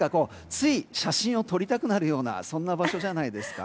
つい写真を撮りたくなるようなそんな場所じゃないですか。